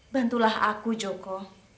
bantulah aku joko